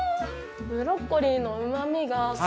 ブロッコリーのうまみがそのまま。